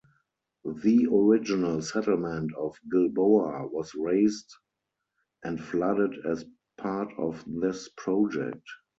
The original settlement of Gilboa was razed and flooded as part of this project.